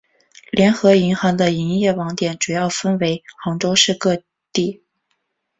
联合银行的营业网点主要分布在杭州市各地。